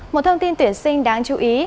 một thông tin tuyển sinh đáng chú ý